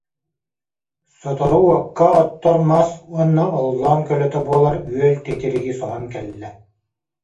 Сотору уокка оттор мас уонна оллоон көлөтө буолар үөл титириги соһон кэллэ